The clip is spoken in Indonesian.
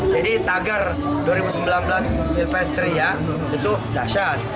jadi tagar dua ribu sembilan belas pilpres ceria itu dahsyat